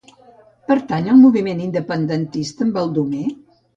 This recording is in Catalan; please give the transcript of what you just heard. Pertany al moviment independentista el Baldomer?